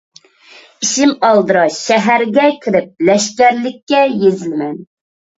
ئىشىم ئالدىراش، شەھەرگە كىرىپ لەشكەرلىككە يېزىلىمەن.